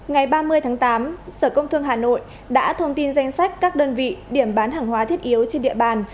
ngày ba mươi tháng tám sở công thương hà nội đã thông tin danh sách các đơn vị điểm bán hàng hóa thiết yếu trên địa bàn